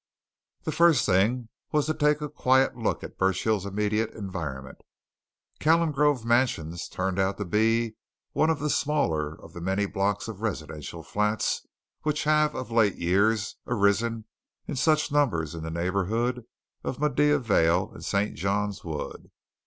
The first thing was to take a quiet look at Burchill's immediate environment. Calengrove Mansions turned out to be one of the smaller of the many blocks of residential flats which have of late years arisen in such numbers in the neighbourhood of Maida Vale and St. John's Wood.